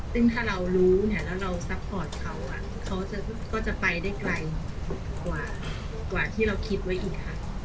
ซึ่งถ้าเรารู้เนี่ยแล้วเราซัพพอร์ตเขาก็จะไปได้ไกลกว่าที่เราคิดไว้อีกค่ะ